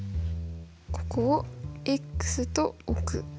ここをと置く。